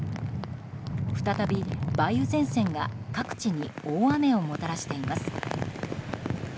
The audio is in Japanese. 再び梅雨前線が各地に大雨をもたらしています。